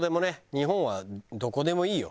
日本はどこでもいいよ。